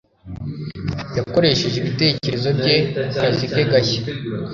Yakoresheje ibitekerezo bye ku kazi ke gashya.